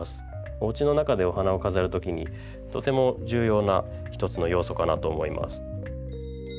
おうちの中でお花を飾るときにとても重要な一つの要素かなと思います。